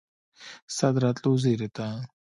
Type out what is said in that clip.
ستا د راتلو زیري ته